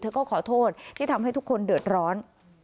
ก็ขอโทษที่ทำให้ทุกคนเดือดร้อน